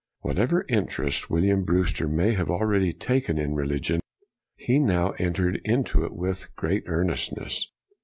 Whatever interest William Brewster may have already taken in religion, he now entered into it with great earnest ness.